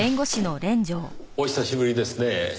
お久しぶりですねぇ。